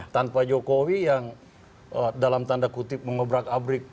tanpa jokowi yang dalam tanda kutip mengebrak alat